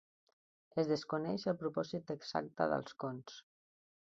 Es desconeix el propòsit exacte dels cons.